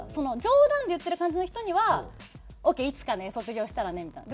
冗談で言ってる感じの人には「オーケーいつかね卒業したらね」みたいな。